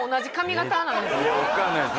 いやわかんないです。